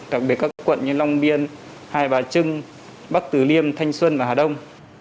đặc biệt các quận như long biên hai bà trưng bắc từ liêm thanh xuân và hà đông